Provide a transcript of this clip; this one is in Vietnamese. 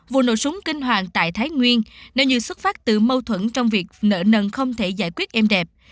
vụ nổ súng kinh hoàng tại thái nguyên nếu như xuất phát từ mâu thuẫn trong việc nợ nần không thể giải quyết êm đẹp